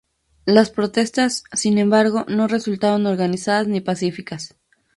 Las protestas, sin embargo, no resultaron organizadas ni pacíficas.